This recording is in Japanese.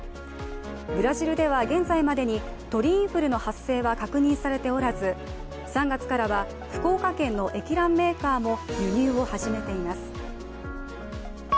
ブラジルでは現在までに鳥インフルの発生は確認されておらず３月からは、福岡県の液卵メーカーも輸入を始めています。